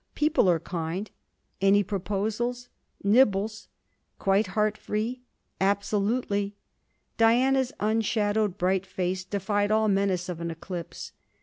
'People are kind.' 'Any proposals?' 'Nibbles.' 'Quite heart free?' 'Absolutely.' Diana's unshadowed bright face defied all menace of an eclipse.